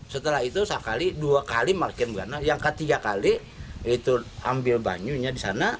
setelah itu sekali dua kali makin yang ketiga kali itu ambil banyunya di sana